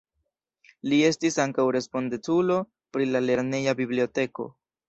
Li estis ankaŭ respondeculo pri la lerneja biblioteko.